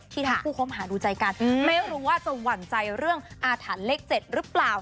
ทั้งคู่คบหาดูใจกันไม่รู้ว่าจะหวั่นใจเรื่องอาถรรพ์เลข๗หรือเปล่า